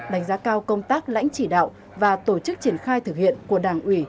đánh giá cao công tác lãnh chỉ đạo và tổ chức triển khai thực hiện của đảng ủy